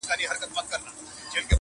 لمر یې د ثواب په نوم وژلی رانه دی